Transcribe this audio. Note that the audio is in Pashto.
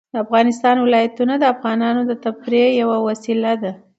د افغانستان ولايتونه د افغانانو د تفریح یوه وسیله ده.